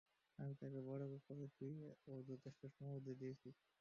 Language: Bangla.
আমি তাকে বড় করেছি ও যথেষ্ট সমৃদ্ধি দিয়েছি।